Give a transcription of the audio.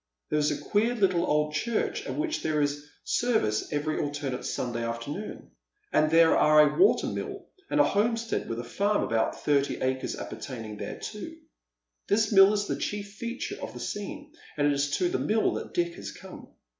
There is a queer I'ttle old church at which there is service eveiy alternate Sunday after noon, and there are a water mill and a homestead with a farm of about thirty acres appertaining thereto. This mill is the cliief feature of the scene, and it is to the mill that Dick has come.